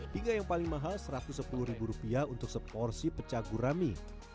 hingga yang paling mahal rp satu ratus sepuluh untuk seporsi pecah gurami